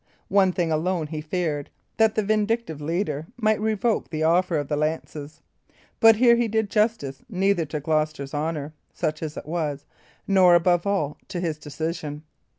One thing alone he feared that the vindictive leader might revoke the offer of the lances. But here he did justice neither to Gloucester's honour (such as it was) nor, above all, to his decision.